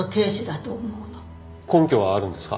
根拠はあるんですか？